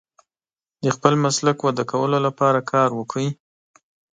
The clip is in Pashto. د خپل مسلک وده کولو لپاره کار وکړئ.